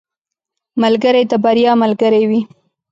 ملګری د بریا ملګری وي.